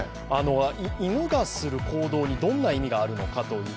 犬がする行動にどんな意味があるのか。